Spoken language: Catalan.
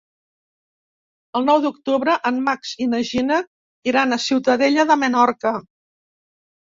El nou d'octubre en Max i na Gina iran a Ciutadella de Menorca.